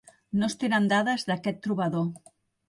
No es tenen dades d'aquest trobador.